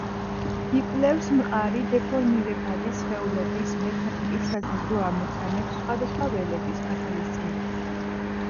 იკვლევს მყარი დეფორმირებადი სხეულების მექანიკის სასაზღვრო ამოცანებს სხვადასხვა ველების გათვალისწინებით.